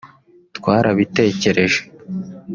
twarabitekereje